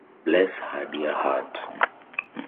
Bless her dear heart!